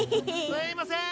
・すいません。